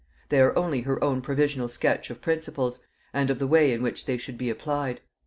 They are only her own provisional sketch of principles, and of the way in which they should be applied.